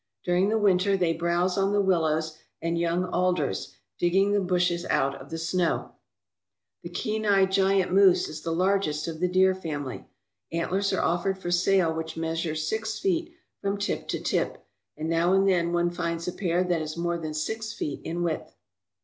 During the winter they browse on the willows and young alders, digging the bushes out of the snow. The Kenai giant moose is the largest of the deer family. Antlers are offered for sale which measure six feet from tip to tip, and now and then one finds a pair that is more than six feet in width.